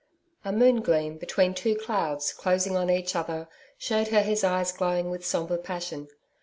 A moon gleam between two clouds closing on each other showed her his eyes glowing with sombre passion.